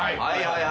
はい。